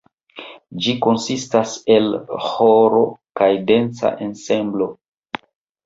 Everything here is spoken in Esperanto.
Ĝi konsistas el ĥoro kaj danca ensemblo.